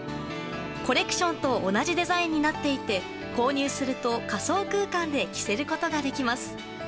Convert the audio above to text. コレクションと同じデザインになっていて購入すると仮想空間で着せることができます。